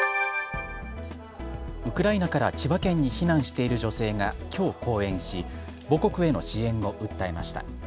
ウクライナから千葉県に避難している女性がきょう講演し母国への支援を訴えました。